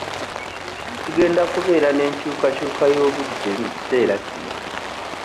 Tugenda kubeera n'enkyukakyuka y'obudde mu kiseera kino.